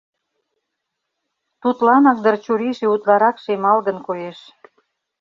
Тудланак дыр чурийже утларак шемалгын коеш.